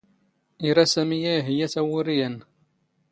ⵉⵔⴰ ⵙⴰⵎⵉ ⴰⴷ ⵉⵀⵢⵢⴰ ⵜⴰⵡⵓⵔⵉ ⴰⵏⵏ.